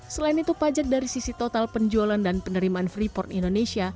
selain itu pajak dari sisi total penjualan dan penerimaan freeport indonesia